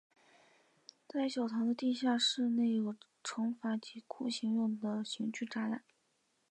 在小堂的地下室内有惩罚及酷刑用的刑具展览。